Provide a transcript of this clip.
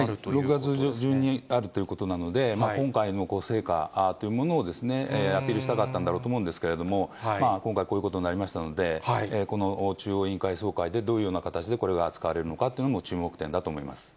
６月中にあるということなので、今回の成果というものを、アピールしたかったんだろうと思いますけれども、今回、こういうことになりましたので、この中央委員会総会で、どういうような形でこれが扱われるのかというのも、注目点だと思います。